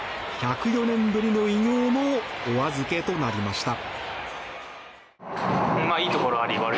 １０４年ぶりの偉業もお預けとなりました。